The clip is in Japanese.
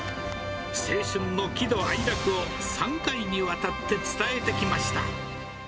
青春の喜怒哀楽を３回にわたって伝えてきました。